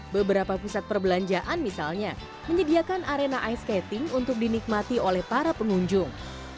beberapa pusat perbelanjaan misalnya menyediakan arena ice skating untuk dinikmati oleh para pengunjung